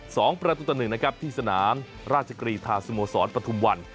สองประตุธนึงที่สนามราชกรีธาสมสรปธุมวัน